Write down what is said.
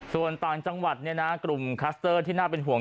ส่วนต่างจังหวัดกลุ่มคัสเตอร์ที่น่าเป็นห่วง